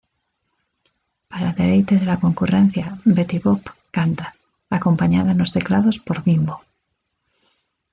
Para deleite de la concurrencia, Betty Boop canta, acompañada en los teclados por Bimbo.